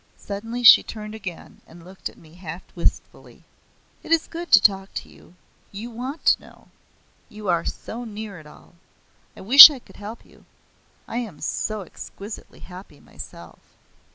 Suddenly she turned again and looked at me half wistfully. "It is good to talk to you. You want to know. You are so near it all. I wish I could help you; I am so exquisitely happy myself."